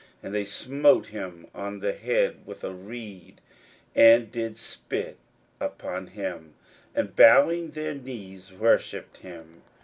41:015:019 And they smote him on the head with a reed, and did spit upon him, and bowing their knees worshipped him.